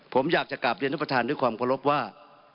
ผมอยากจะกลับเย็นที่ประทานด้วยความกรบว่า